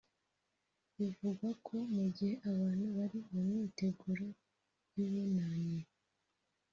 Bivugwa ko mu gihe abantu bari mu myiteguro y’Ubunani